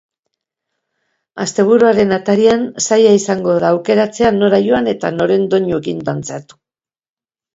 Asteburuaren atarian, zaila izango da aukeratzea nora joan eta noren doinuekin dantzatu.